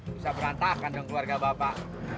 bisa berantakan dong keluarga bapak